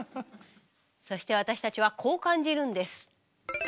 そして私たちはこう感じるんです。